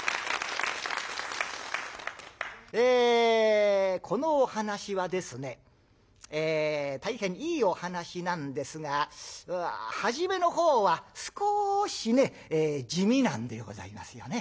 えこのお噺はですね大変いいお噺なんですがはじめのほうは少しね地味なんでございますよね。